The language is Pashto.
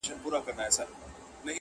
چي د بخت ستوری مو کله و ځلېږې.